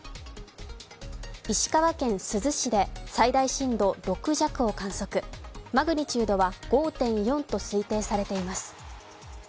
石川県珠洲市で最大震度６弱を観測マグニチュードは５．４と推定されています。